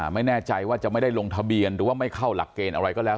ไม่แน่ใจว่าจะไม่ได้ลงทะเบียนหรือว่าไม่เข้าหลักเกณฑ์อะไรก็แล้ว